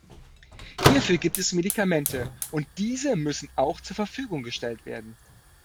Hierfür gibt es Medikamente, und diese müssen auch zur Verfügung gestellt werden.